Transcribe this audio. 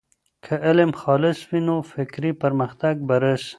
که علم خالص وي، نو فکري پرمختګ به راسي.